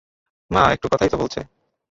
মা, একটু কথাই তো বলছে।